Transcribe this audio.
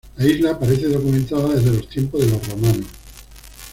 La isla aparece documentada desde los tiempos de los romanos.